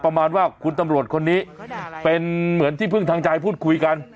ประมาณว่าคุณตำรวจคนนี้เป็นเหมือนที่พึ่งทางใจพูดคุยกัน